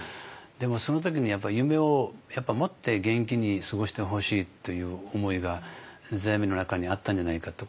でもその時にやっぱり夢を持って元気に過ごしてほしいという思いが世阿弥の中にあったんじゃないかと。